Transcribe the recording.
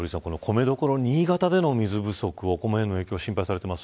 米どころ新潟での水不足お米への影響が心配されます。